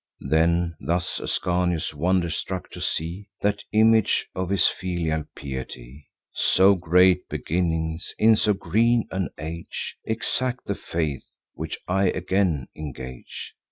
Then thus Ascanius, wonderstruck to see That image of his filial piety: "So great beginnings, in so green an age, Exact the faith which I again engage.